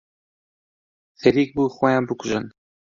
خەریک بوو خۆیان بکوژن.